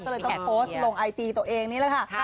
ก็เลยต้องโพสต์ลงไอจีตัวเองนี่แหละค่ะ